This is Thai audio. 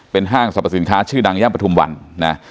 เป็นห้างสรรพสินค้าชื่อดังย่ำปธุมวัน